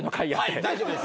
はい大丈夫です。